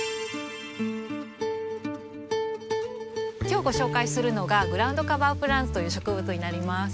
今日ご紹介するのがグラウンドカバープランツという植物になります。